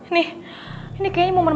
nih ini kayaknya momen